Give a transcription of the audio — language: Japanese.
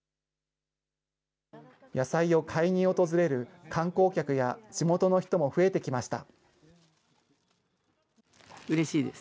野菜を買いに訪れる観光客や地元の人も増えてきました。